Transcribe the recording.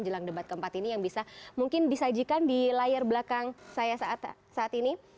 jelang debat keempat ini yang bisa mungkin disajikan di layar belakang saya saat ini